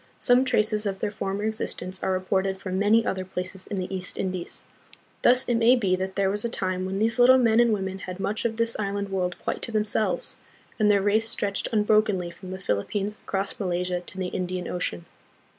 Some traces of their former existence are reported from many other places in the East Indies. Thus it may be that there was a time when these little men and women had much of this island world quite to tlu'inselves, and their race stretched unbrokenly from the Philippines across Malaysia to the Indian Ocean.